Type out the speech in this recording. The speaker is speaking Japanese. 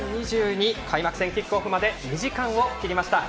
開幕戦キックオフまで２時間を切りました。